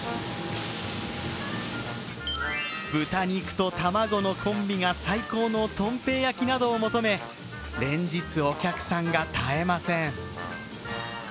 豚肉と卵のコンビが最高のとん平焼きなどを求め連日、お客さんが絶えません。